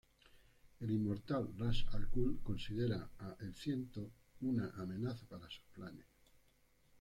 El inmortal Ra's al Ghul considera a El Ciento una amenaza para sus planes.